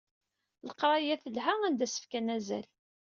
Leqraya telha anda s-fkan azal.